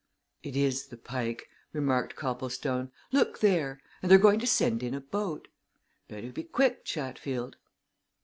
"It is the Pike," remarked Copplestone. "Look there! And they're going to send in a boat. Better be quick, Chatfield."